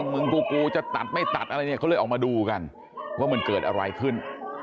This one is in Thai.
มึงกูจะตัดไม่ตัดอะไรเนี่ยเขาเลยออกมาดูกันว่ามันเกิดอะไรขึ้น